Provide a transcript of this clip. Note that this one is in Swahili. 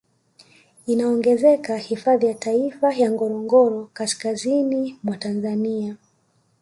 Inaongezeka hifadhi ya taifa ya Ngorongoro kaskazini mwa Tanzania